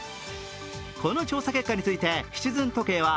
この調査結果について、シチズン時計は